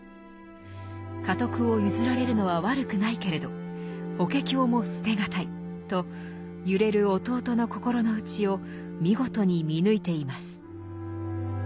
家督を譲られるのは悪くないけれど「法華経」も捨て難いと揺れる弟の心の内を見事に見抜いています。